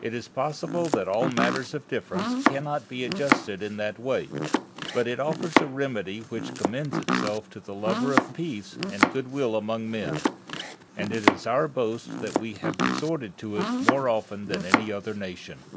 It is possible that all matters of difference cannot be adjusted in that way, but it offers a remedy which commends itself to the lover of peace and good will among men, and it is our boast that we have resorted to it more often than any other nation.